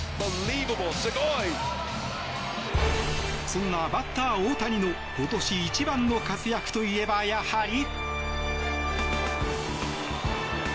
そんなバッター大谷の今年一番の活躍といえばやはり。